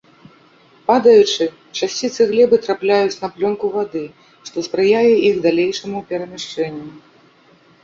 Падаючы, часціцы глебы трапляюць на плёнку вады, што спрыяе іх далейшаму перамяшчэнню.